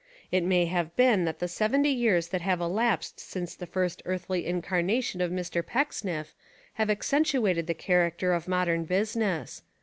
It may have been that the seventy years that have elapsed since the first earthly incarnation of Mr. Pecksniff have accentuated the character of modern busi ness.